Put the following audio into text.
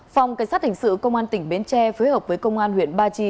phòng cảnh sát hình sự công an tỉnh bến tre phối hợp với công an huyện ba chi